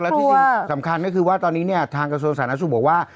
และที่สำคัญก็คือว่าตอนนี้เนี่ยทางกระทรวงสาธารณสุขบอกว่า